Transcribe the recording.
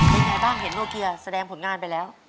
เป็นไงบ้างเห็นโนเกียแสดงผลงานไปแล้ว